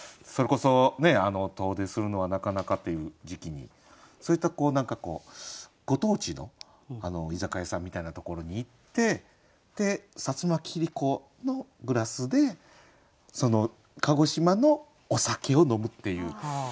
それこそ遠出するのはなかなかという時期にそういったご当地の居酒屋さんみたいなところに行って薩摩切子のグラスで鹿児島のお酒を飲むっていう。